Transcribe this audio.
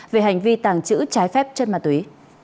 về hành vi tàng trữ trái phép chất ma túy